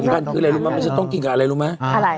มันคืออะไรหรือมะมันจะต้มกับอะไรรู้ไหมอะไร